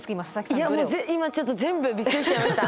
いや今ちょっと全部びっくりしちゃいました。